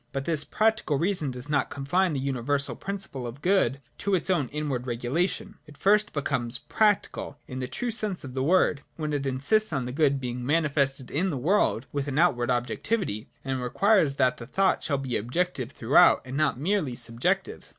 But this Practical Reason does not confine the uni versal principle of the Good to its own inward regula tion : it first becomes pfadical, in the true sense of the word, when it insists on the Good being manifested in the world with an outward objectivity, and requires that 54 ] PRACTICAL REASON. lii the thought shall be objective throughout, and not merely subjective.